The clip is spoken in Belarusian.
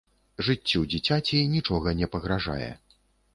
Жыццю дзіцяці нічога не пагражае.